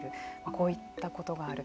こういったことがある。